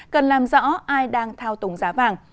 cần làm rõ ai đang thao túng giá vàng